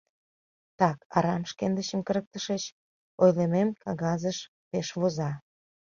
Так арам шкендычым кырыктышыч, — ойлымем кагазыш пеш воза.